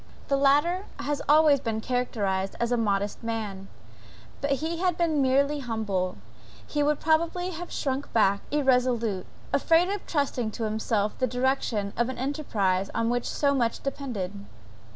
The latter has always been characterized as a modest man; but had he been merely humble, he would probably have shrunk back irresolute, afraid of trusting to himself the direction of an enterprise on which so much depended.